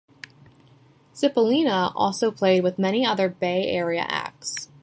Cippolina also played with many other Bay Area acts.